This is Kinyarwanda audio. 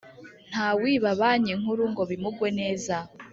Ntawiba banki nkuru ngo bimugwe neza